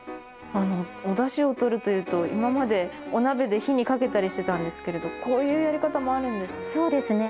おダシをとるというと今までお鍋で火にかけたりしてたんですけれどこういうやり方もあるんですね。